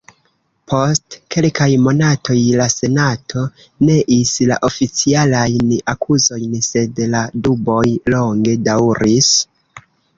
Post kelkaj monatoj, la Senato neis la oficialajn akuzojn sed la duboj longe daŭris.